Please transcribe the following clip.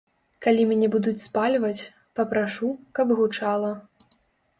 Калі мяне будуць спальваць, папрашу, каб гучала.